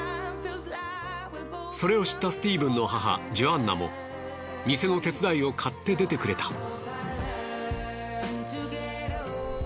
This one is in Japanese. それを知ったスティーブンの母ジョアンナも店の手伝いをかって出てくれた。